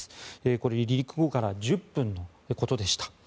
これ、離陸後から１０分のことでした。